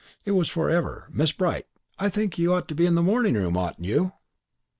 It was forever, "Miss Bright, I think you ought to be in the morning room, oughtn't you?"